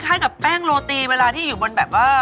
ให้กับแป้งโรตีเวลาที่อยู่บนแบบว่า